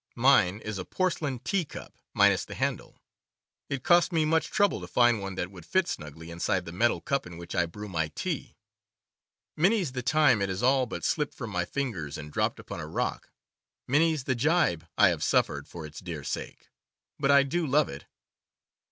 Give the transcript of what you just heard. Mine is a porcelain teacup, minus the handle. It cost me much trouble to find one that would fit snugly inside the metal cup in which I brew my tea. Many's the time it has all but slipped from my fingers and dropped upon a rock; many's the gibe I have suffered for its dear sake. But I do love it.